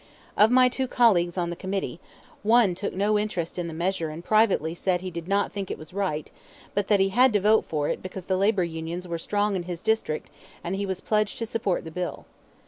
Of my two colleagues on the committee, one took no interest in the measure and privately said he did not think it was right, but that he had to vote for it because the labor unions were strong in his district and he was pledged to support the bill.